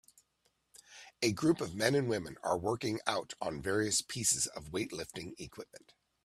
A group of men and women are working out on various pieces of weightlifting equipment